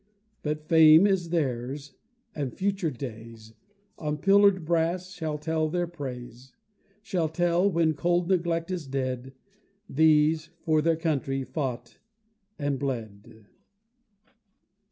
But fame is theirs and future days On pillar'd brass shall tell their praise; Shall tell when cold neglect is dead "These for their country fought and bled."